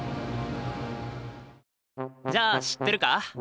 じゃあ知ってるか？